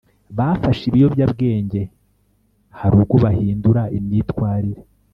bafashe ibiyobyabwenge hari ubwo bahindura imyitwarire